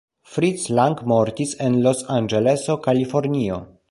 Fritz Lang mortis en Los-Anĝeleso, Kalifornio.